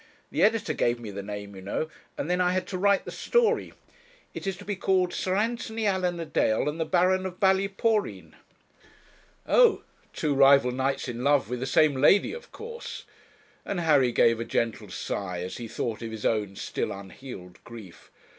The editor gave me the name, you know, and then I had to write the story. It's to be called "Sir Anthony Allan a dale and the Baron of Ballyporeen."' 'Oh! two rival knights in love with the same lady, of course,' and Harry gave a gentle sigh as he thought of his own still unhealed grief.